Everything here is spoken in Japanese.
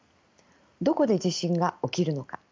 どこで地震が起きるのか。